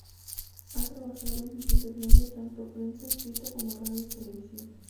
Ha trabajado en distintos medios, tanto prensa escrita como radio y televisión.